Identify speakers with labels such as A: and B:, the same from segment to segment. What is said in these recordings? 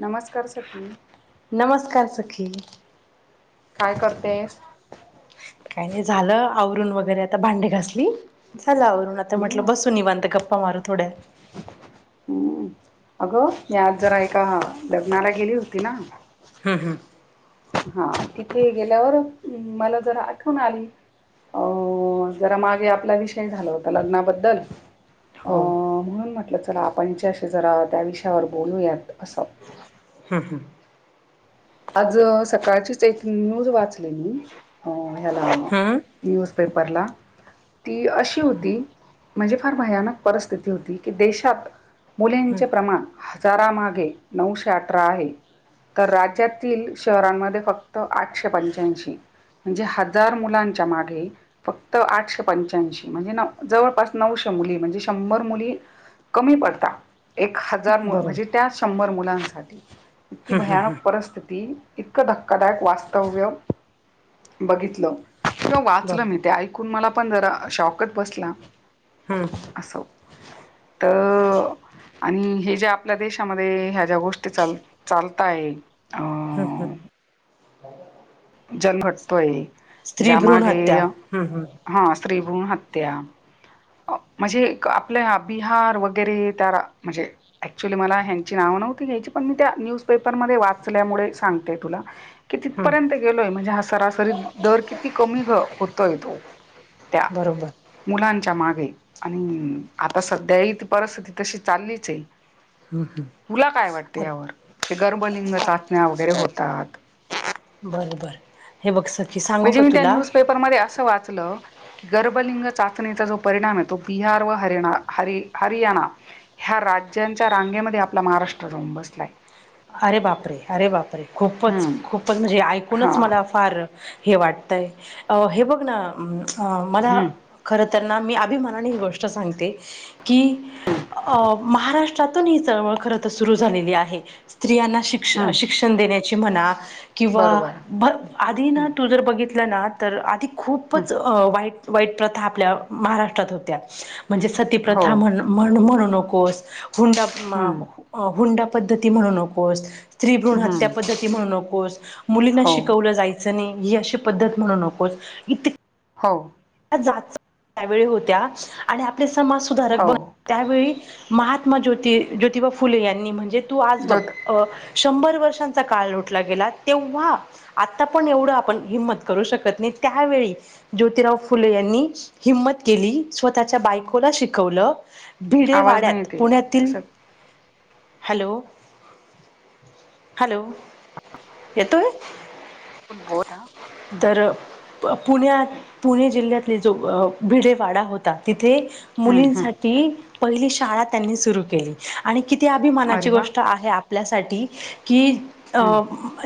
A: नमस्कार सखी.
B: नमस्कार सखी.
A: काय करतेस.
B: काही नाही झालं आवरून वगैरे आता भांडे घासली. हला अरुण आता म्हटल
A: हम्म
B: बसू निवांत गप्पा मारू थोड्या.
A: हम्म अगं मी आज जरा एका लग्नाला गेली होती ना
B: हम्म हम्म.
A: हा तिथे गेल्यावर मला जरा आठवण आली अ जरा मागे आपला विषय झाला होता लग्नाबद्दल
B: हो
A: अं म्हणून म्हटलं चला आपण तिच्याशी जरा त्या विषयावर बोलूयात असं.
B: हम्म हम्म.
A: आज सकाळचीच एक न्यूज वाच ह्याला
B: हम्म
A: न्युज पेपर ला ती अशी होती म्हणजे फार भयानक परिस्थिती होती की देशात मुलींचे
B: हम्म
A: प्रमाण हजारामागे नऊशे अठरा आहे तर राज्यात ततील शहरांमध्ये फक्त आठशे पंच्याऐंशी म्हणजे हजार मुलांच्या मागे फक्त आठशे पंच्याशी म्हणजे जवळपास नऊशे म्हणजे शंभर मुली कमी पडतात एक हजार
B: बरोबर
A: म्हणजे त्या शंभर मुलांसाठी इतकी भयानक परिस्थिती इतकं धक्कादायक वास्तव्य बघितलं न वाचलं मी
B: बरोबर
A: ते ऐकून मला पण जरा शॉकच बसला
B: हम्म.
A: त आणि हे ज्या आपल्या देशामध्ये ह्या ज्या गोष्टी चाल चालता आहे
B: हम्म हम्म.
A: जलभटतोय
B: भ्रूण
A: ज्यामागेय
B: हत्या हम्म हम्म
A: हा स्त्रीभूण ह हत्या. म्हणजे आपल्या बिहार वगैरे त्या म्हणजे ऍक्च्युली मला ह्यांची नाव नाव नव्हतं घ्यायची पण त्या न्युज पेपर मध्ये वाचल्यामुळे सांगते तुला कि ती त पर्यंत
B: हम्म
A: गेलोय म्हणजे हा सरासरी दर किती कमी होतोय तो त्या
B: बरोबर
A: मुलां ग आणि आता सध्या ह त परिस्थिती तशी चाललीच ये. तुला काय वाटते यावर हे गर्भलिंग चाचण्या वगैरे होतात.
B: बरोबर हे बघ स
A: म्हणजे मी त्या न्यूजपेपरमध्ये असं वाचलं की गर्भलिंग चाचणीचा जो परिणाम आहे तो बिहार व हरिणा हर हरियाणा ह्या राज्यांच्या रांगेमध्ये आपला महाराष्ट्र जाऊन बसलाय.
B: अरे बापरे अरे बापरे खूपच
A: हम्म.
B: खूपच म्हणजे ऐकूनच
A: हां.
B: मला फार हे वाटतंय हे बघ ना मला
A: हम्म.
B: खरं त्यांना मी अभिमानाने ही गोष्ट सांगते की महाराष्ट्रातून ही चळवळ सुर झालेली आहे. स्त्रियांना श
A: हम्म.
B: शिक्षण देण्याची म्हणा
A: बरोबर.
B: किंवा आधी ना
A: हम्म.
B: तू जर बघित ल ना तर आधी
A: हम्म.
B: खूपच वा वाईट प्रथा आपल्या महाराष्ट्रात होत्या म्हणजे
A: हो.
B: सतीप्रथा म्हण म्हण म्हणू नकोस हुंडा
A: हम्म.
B: हो हुंडा म्हणू नको स्त भ्रूण हत्या
A: हम्म.
B: पद्धती म्हणू नकोस मुलींना
A: हो.
B: शिकवलं जायचं नाही यश पद्धत म्हणू नकोस इ
A: हो.
B: त्यावेळी होत्या आणि आपले समाज सुधारक बन
A: हो.
B: त्यावेळी महात्मा ज्योत ज्योतिबा फुले यांनी म्हणजे तू आज बघ
A: ज्योत
B: अ शंभर वर्षांचा काळ लुटला गेला तेव्हा आता पण एवढं आपण हिंमत करू शकत नाही. त्यावेळी ज्योतिराव फुले यांनी हिंमत केली स्वतःच्या बायकोला शिकवलं
A: आवाज नाही
B: भिडेवाड्यात
A: येत आहे.
B: पुण्यातील
A: असं
B: हॅलो हॅलो येतोय
A: [unintelligible]
B: प पुण्यात पुणे जिल्ह्यातले जो भिडेवाडा होता तिथे
A: हम्म हम्म
B: मुलींसाठी पहिली शाळा त्यांनी सुरू केली आणि किती
A: अरे
B: अभिमानाची
A: वा
B: गोष्ट आहे आपल्यासाठी की अ
A: हम्म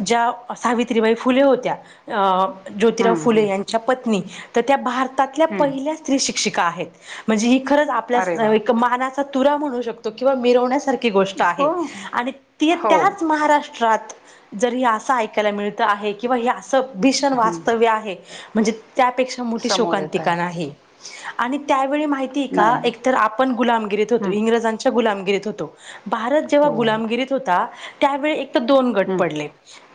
B: ज्या सावित्रीबाई फुले होत्या अ ज्योतिराव
A: हम्म
B: फुले
A: हम्म
B: यांच्या पत्नी तर त्या भार तातल्या
A: हम्म
B: पहिल्या स्त्री शिक्षिका आहेत म्हणजे ही खरचं
A: अरे वा
B: आपल्या एक माना तुरा म्हणू शकतो किंवा मिरवण्यासारी गोष्ट आहे
A: हो
B: आणि त
A: हो
B: त्याच महाराष् ष्ट्रात जरी असं ऐकायला मिळत आहे. किंवा हे असं भीषण
A: हम्म
B: वास्तव्य आहे. म्हणजे त्यापेक्षा मोठी
A: समोर येत आहे
B: शोकांतिका नाही आणि त्या वेळी माहितीय
A: नाही
B: का
A: नाही
B: एक तर आपण गुलामगिरीत होतो
A: हम्म
B: इंग्रजांच्या गुलामगिरीत होतो. भारत जेव्हा
A: हो
B: गुलामगिरीत होता त्यावेळी एक तर दोन गट
A: हम्म
B: पडले.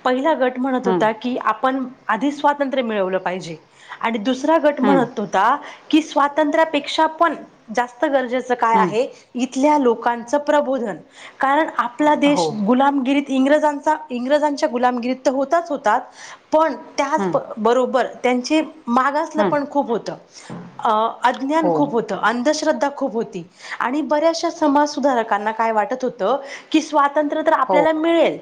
B: पहिला गट म्हणत
A: हम्म
B: होत्या की आपण स्वातंत्र्य मिळवल पाहिजे. आणि दुस सरा गट
A: हम्म
B: म्हणत होता की स्वातंत्र्यापेक्षा पण जास् स्त गरजेचं काय आहे
A: हम्म
B: इथल्या लोकांच प्रबोधन कारण आप आपला देश
A: हो
B: गुलामगिरीत इंग्रजांचा इंग्रजांच्या गुलामगिरीत तर होताच होतात पण त्याच
A: हम्म
B: बरोबर त्यांची मागासलं पण
A: हम्म
B: खूप होतं. अ अज्ञान
A: हो
B: खूप होतं अंधश्र श्रद्धा खूप होती आणि बऱ्याचशा समाजसुधारकांना काय वाटत होतं की स्वा स्वांतत्र्य तर
A: हो
B: आपल्याला मिळेल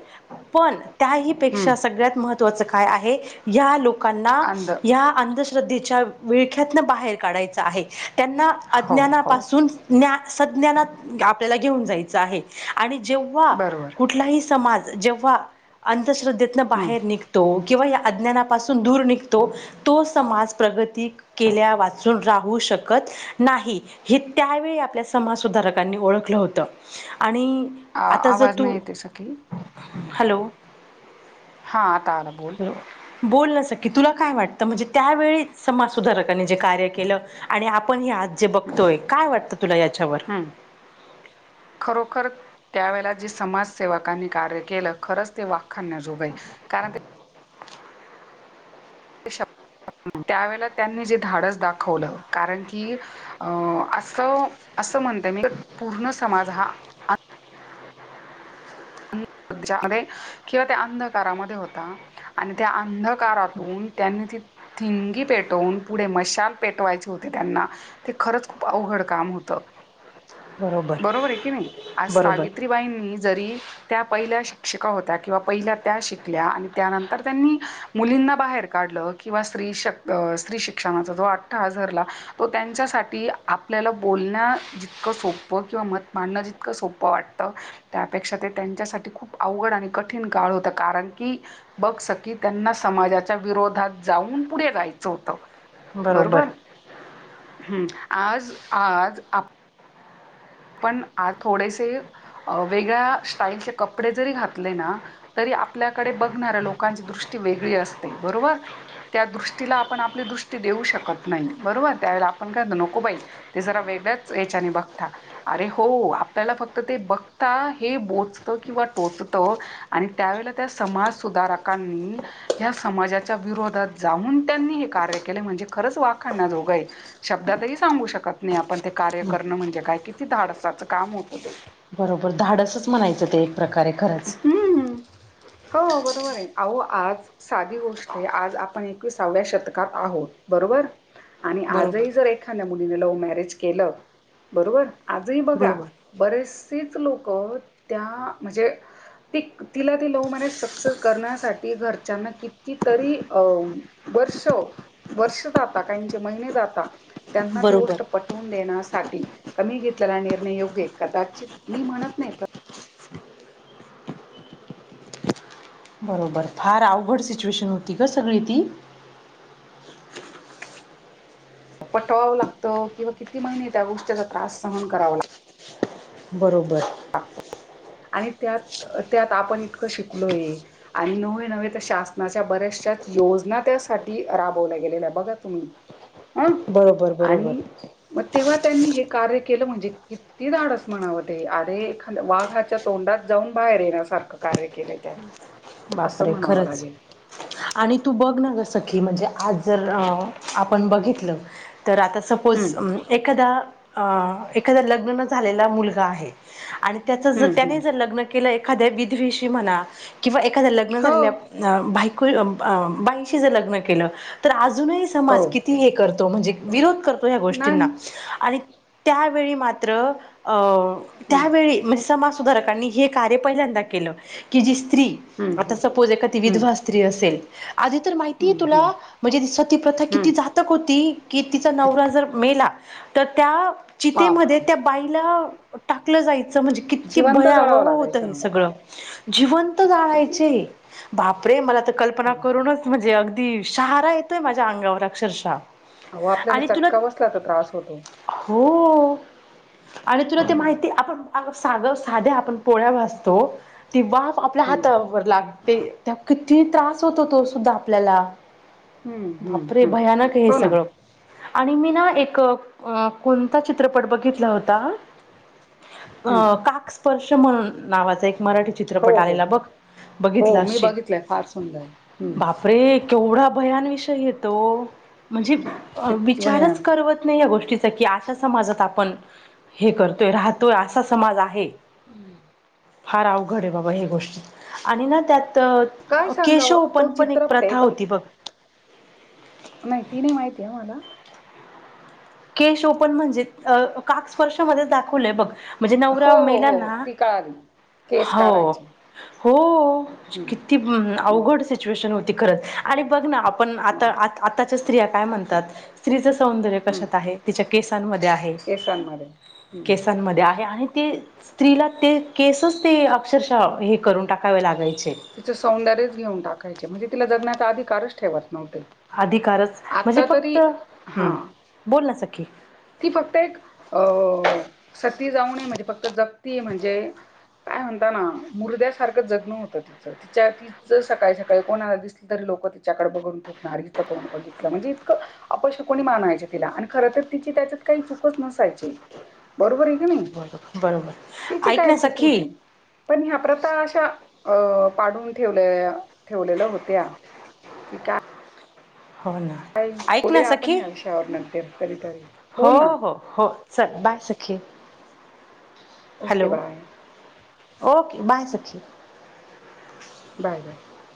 B: पण त्याही
A: हम्म
B: पेक्षा सगळ्यात मह त्वाचं काय आहे हया लोकांना
A: अंध
B: हया अंधश्रद्धेच्या विळख्यात बाहेर काढायच आहे त्यांना
A: हो हो
B: अज्ञनापासून ज्ञान सज्ञानात आपल्याला घेऊन जायचं आहे आणि जेव्हा
A: बरोबर
B: कुठलाही समाज जेव्हा अंधश्रद्धेतन
A: हम्म
B: बाहेर निघतो किंवा या अज्ञानापासून दूर निघतो तो समाज प्रगती केल्यावाचुन राहू शकत नाही हे त्यावेळी आपल्या समाज सुधारकांनी ओळखलं होत. आणि
A: आ-
B: आता जर
A: आवाज
B: तू
A: नाही येते सखी
B: हॅलो
A: हा आता आला बोल
B: हॅलो बोल नं सखी तुला काय वाटतं म्हणजे त्यावेळी समाज सुधारकांनी जे कार्य केलं आणि आपण हे आज जे बघतोय काय वाटतं तुला याच्यावर
A: हम्म त्यावेळे जी समाजसेवकांनी कार्य केलं खरंच ते वाखान्या जोग कारण ते [inaudible] त्यावेेळेला त्यांनी जे धाडस दाखवलं कारण की अ असं असं म्हणते मी तर पूर्ण समाज हा [inaudible] [unintelligible] किंवा त्या अंधकारामध्ये होता आणि त्या अंधकारातून त्यांनी ती थिंगी पेटवून पुढे मशाल पेटवायचे होते त्यांना ते खरंच खूप अवघड काम होत त बरोबर आहे की नाही आज
B: बरोबर
A: सावित्रीबाईंनी जरी त्या पहिल्या शिक्षिका होत्या किंवा पहिल्या त्या शिकल्या आणि त्यानंतर त्यांनी मुलींना बाहेर काढल ल किंवा स्त्री शक स्त्री शिक्षणाचा जो आठहास धरला तो त्यांच्यासाठी आपल्याला बोलण जितकं सोपं किंवा मतं माडणं जितकं सोपं वाटतं त्यापेक्षा ते त्यांच्यासाठी खूप अवघड आणि कठीण काळ होता कारण की बघ सखी त्यांना समाजाच्या वि रोधात जाऊन पुढे जायचं होतं. बरोबर हूं आज आज आप आपण आ थोडेसे वेगळ्या स्टाईलचे कपडे जरी घातले ना तरी आपल्याकडे बघणाऱ्या लोकांची दृष्टी वेगळी असते बरोबर त्या दृष्टीला आपण आपली दृ ष्टी देऊ शकत नाही बरोबर त्यावेळेला आपण काय म्हणतो नको बाई ते जरा वेगळेच याच्याने बघता अरे हो आपल्याला फक्त ते बघता हे बोचतं किंवा टोचतं आणि त्यावेळे समाजधारकांनी समाजाच्या विरोधात जाऊन त्यांनी हे कार्य के ण ख वाो शब्ात सांगू शकत नाही आपण कार्य करण म्हणजे का धाडसाचं काम होतं ते
B: बरोबर धाडसच म्हणायचं ते एक प्रकारे खरंच
A: हम्म हो बरोबर आहे आहो आज साधी गोष्ट आहे आज आपण एकविसावड्या शतकात आहोत बरोबर आणि
B: बरोबर
A: आजही जर एखाद्या मुलीने लव मॅरेज केलं बरोबर आजही बघा
B: बरोबर
A: बरेचसेच लोक त्या म्हणजे त तिला त लह म्या सक्सेस करण्यासाठी घरच्यांना किती तरी वर् वर्ष जात काही महिने जाता त्यांना ती
B: बरोबर
A: गोष्ट पटवून देण्यासाठी कमी घेतलेला निर्णय योग्य कदाचित मी म्हणत नाही
B: बरोबर फार अवघड सिच्युएशन होती ग सगळी ती
A: पटवावं लागतं किंवा किती महिने त्या गोष्टीचा त्रास सहन करावा लागत
B: बरोबर
A: ह आणि त्यात त्यात आपण इतकं शिकलोय आणि नवे नव त्या शासनाच्या बऱ्याच अश योजना त्यासाठी राबवल्या गेलेल्या बघा तुम्ही अं
B: बरोबर बरोबर
A: आणि मग तेव्हा त्यांनी हे कार्य के म्हणजे किती डस म्हणाव एखा वाघाच्या तोंडात जाऊन बाहेर येण्यासारखं कार्य केलं त्यानी
B: बापरे खरंच आणि तू बघ ना कसं की म्हणजे आज जर आपण बघितलं तर आता
A: हं,
B: सपोज एखादा अ एखाद लग्न न झालेला मुलगा आहे आणि त्याच ज
A: हं, हं.
B: त्याने जर लग्न केलं एखाद्या विधवेष म्हणा किंवा एखाद्या लग्न झालेल्या
A: हो
B: बा बाईंशी जर लग्न केलं तर अजूनही समाज
A: हो
B: किती हे करतो म्हणजे विरोध तो ह गोष्टींना
A: नाही
B: आणि त्यावेळी मात्र
A: हं,
B: त्यावेळी म्हणजे समाज सुधारकांनी हे कार्य पहिल्यांदा केलं की जी स्त्री
A: हं,
B: आता
A: हं,
B: सपोज एखादी
A: हं,
B: विधवा स्त्री असेल आधी तर माहिती आहे
A: हं,
B: तुला
A: हं,
B: म्हणजे तस ती प्रथा
A: हं.
B: किती जातक होती की तिचा
A: किती
B: नवरा जर मेला तर त्या
A: पाप
B: चितेमध्ये त्या बाईला टाकलं जायचं ण क भ
A: जिवंत जळावं
B: होत
A: लागायचं ना
B: स जव जा
A: किती
B: बापरे मला तर कल्पना
A: बघा
B: करूनच म्हणजे अगदी शहारा येतोय माझ्या अंगावर अक्षरशः
A: अह आपल्याला
B: आणि तुला
A: चटका बसला तर त्रास होतो
B: हो आणि तुला ते
A: हम्म,
B: माहिती आपण साग साध्या आपण पोळ्या वाासतो ती वाफ आपल्या
A: हम्म,
B: हात लागते त्या किती त्रास होतो तो सुद्धा आपल्याला
A: हम्म, हम्म,
B: बापरे
A: हम्म.
B: भयानक हे
A: हो ना
B: सगळं आणि मी ना एक कोणता चित्रपट बघितला होता अ
A: हम्म.
B: काक स्पर्श म्हण नावाचा एक मराठी
A: हो
B: चित्रपट
A: हो
B: आलेला बघ बघितलं
A: हो मी
B: असशील
A: बघितलंय फार सुंदर हम्म.
B: बापरे केवढा भयानविषय येतो म्हणजे
A: किती
B: विचारच
A: भयान
B: करवत नाही या गोष्टी गष्टी की अशा समाजात आपण हे करतोय राहतोय असा समाज आहे
A: हम्म
B: फार अवघड आहे बाबा हे गोष्ट आणि ना त्यात तर
A: काय
B: केशव
A: सांगावं
B: पण
A: तो
B: पण एक
A: चित्रपट आहे
B: प्रथा
A: पण
B: होती बघ
A: नाही ती नाही माहिती आहे मला
B: केश ओपन म्हणजे काक स्पर्शा मध्ये दाखवलंय बघ म्हणजे
A: हो
B: नवरा
A: हो
B: मेला
A: हो हो,
B: ना
A: ती कळाली केस
B: हो
A: काढायचे
B: हो
A: हम्म,
B: किती भ
A: हम्म,
B: अवघड सिच्युएशन होती खरंच आणि बघ ना पण
A: हो,
B: आता आताच्या स्त्रिया काय म्हणतात स्त्रीचं सौंदर्य
A: हम्म.
B: कशात आहे तिच्या केसांमध्ये आहे.
A: केसांमध्ये हम्म,
B: केसांमध्ये आहे आणि ते
A: हं.
B: स्त्रीला ते केसच ते अक्षरशः हे. करून टाकाव लागाय.
A: तिचं सौंदर्यच घेऊन टाकायचे म्हणजे तिला जगण्याचा अधिकारच ठेवत
B: अधिकारच म्हणजे
A: आता
B: फक्त
A: तरी हा.
B: हम्म बोल ना सखी
A: ती फक्त एक अ सत ते जाऊन म्हणजे फक्त जगती हे म्हणजे काय म्हणता ना, मुरदयासारखं जगण होतं ते तिच्या तिच सकाळी, सकाळी, कोणाला दिसली तरी लोक तिच्याकडे बघून थूकणार हिचं तोंड बघितलं म्हणजे अपशकुणी कोणी मानवायचे तिला. आणि खर तर तिची त्याच्यात काही चुकच नसायची. बरोबर हे.
B: बरोबर बरोबर
A: तिची
B: ऐक
A: काय
B: ना
A: चूक
B: सखी
A: होती पण ह्या प्रथा आश्या अ पाडून ठेवले य ठेवलेल्या होत्या की काय?
B: हो ना ऐक ना
A: बोलूया आपण
B: सखी
A: ह्या विषयावर नंतर कधीतरी
B: हो
A: बोल ना.
B: हो हो चल बाय सखी. Okay
A: okay
B: hello
A: bye
B: okay bye सखी. [inaudible]
A: Bye bye.